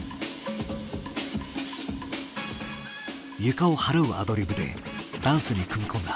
床を払うアドリブでダンスに組み込んだ。